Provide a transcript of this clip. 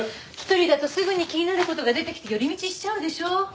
１人だとすぐに気になる事が出てきて寄り道しちゃうでしょ。